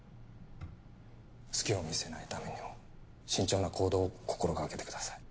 隙を見せないためにも慎重な行動を心がけてください。